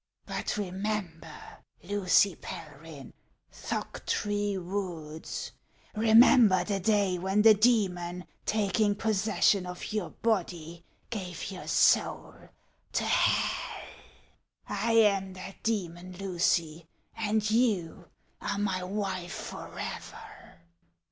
But remember, Lucy Pelryhn, Thoctree woods ; remember the day when the demon, taking possession of your body, gave your soul to hell ! I am that demon, Lucy, and you are my wife forever!